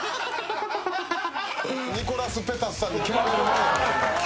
ニコラス・ペタスさんに蹴られる前や。